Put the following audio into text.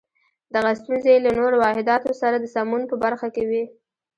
دغه ستونزې یې له نورو واحداتو سره د سمون په برخه کې وې.